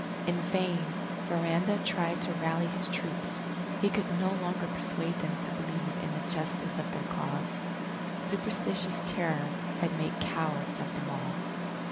In vain Miranda tried to rally his troops, he could no longer persuade them to believe in the justice of their cause. Superstitious terror had made cowards of them all.